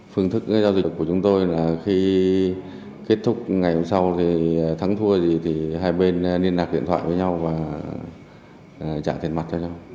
phương thức giao dịch của chúng tôi là khi kết thúc ngày hôm sau thì thắng thua gì thì hai bên liên lạc điện thoại với nhau và trả tiền mặt cho nhau